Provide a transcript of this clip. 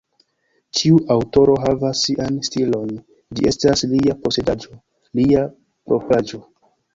Ĉiu aŭtoro havas sian stilon, ĝi estas lia posedaĵo, lia propraĵo.